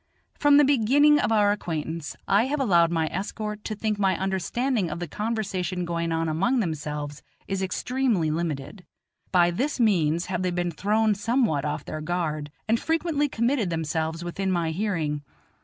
From the beginning of our acquaintance I have allowed my escort to think my understanding of the conversation going on among themselves is extremely limited. By this means have they been thrown somewhat off their guard, and frequently committed themselves within my hearing.